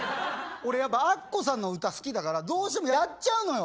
俺やっぱアッコさんの歌好きだからどうしてもやっちゃうのよ